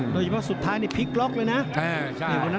โดยเฉพาะสุดท้ายในพีคล็อกเลยนะ